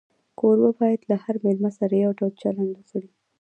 کوربه باید له هر مېلمه سره یو ډول چلند وکړي.